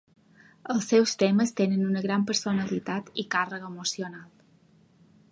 Els seus temes tenen una gran personalitat i càrrega emocional.